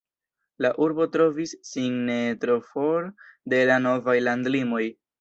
La urbo trovis sin ne tro for de la novaj landlimoj.